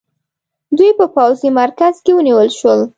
دوی په پوځي مرکز کې ونیول شول.